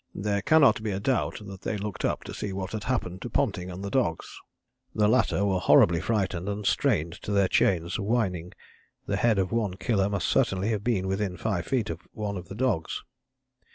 There cannot be a doubt that they looked up to see what had happened to Ponting and the dogs. "The latter were horribly frightened and strained to their chains, whining; the head of one killer must certainly have been within five feet of one of the dogs.